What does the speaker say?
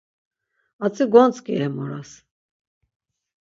Atzi gontzǩi em oras.